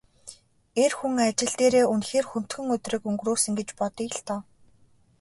Эр хүн ажил дээрээ үнэхээр хүндхэн өдрийг өнгөрөөсөн гэж бодъё л доо.